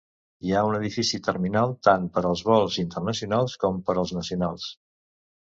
Hi ha un edifici terminal tant per als vols internacionals com per als nacionals.